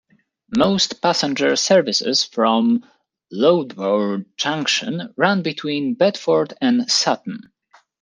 Most passenger services from Loughborough Junction run between Bedford and Sutton.